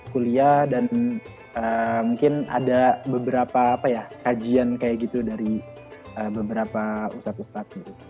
kuliah dan mungkin ada beberapa kajian kayak gitu dari beberapa ustadz ustadz gitu